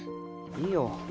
いいよ。